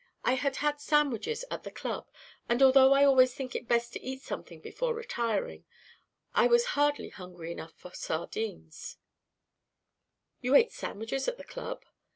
I had had sandwiches at the club, and although I always think it best to eat something before retiring, I was hardly hungry enough for sardines " "You ate sandwiches at the club?